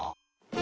え！